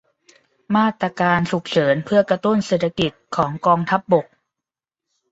มาตรการฉุกเฉินเพื่อกระตุ้นเศรษฐกิจของกองทัพบก